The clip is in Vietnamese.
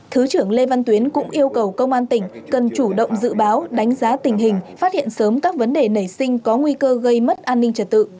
thứ trưởng lê văn tuyến cũng yêu cầu công an tỉnh cần chủ động dự báo đánh giá tình hình phát hiện sớm các vấn đề nảy sinh có nguy cơ gây mất an ninh trật tự